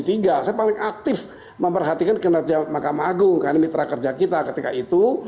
saya paling aktif memperhatikan kinerja makam agung karena ini terang kerja kita ketika itu